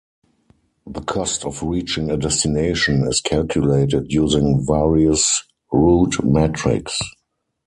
The cost of reaching a destination is calculated using various route metrics.